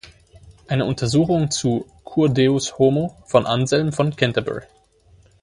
Eine Untersuchung zu Cur Deus Homo von Anselm von Canterbury".